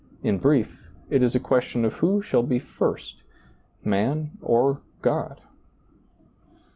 In brief, it is a question of who shall be first — man or God